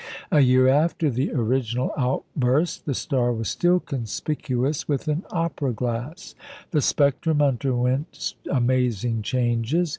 A year after the original outburst, the star was still conspicuous with an opera glass. The spectrum underwent amazing changes.